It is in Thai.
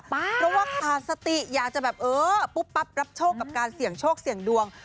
เพราะว่าขาดสติอยากจะแบบเออปุ๊บปั๊บรับโชคกับการเสี่ยงโชคเสี่ยงดวง